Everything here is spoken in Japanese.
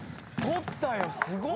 取ったよ。